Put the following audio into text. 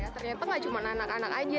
ternyata gak cuma anak anak aja